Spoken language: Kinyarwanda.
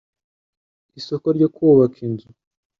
isoko ryo kubaka inzu